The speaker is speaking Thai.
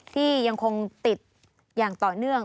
ที่ยังคงติดอย่างต่อเนื่อง